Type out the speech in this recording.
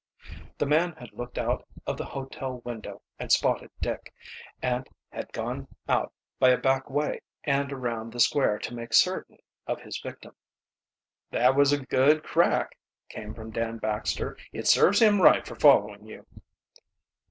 The man had looked out of the hotel window and spotted Dick, and had gone out by a back way add around the square to make certain of his victim. "That was a good crack," came from Dan Baxter. "It serves him right for following you."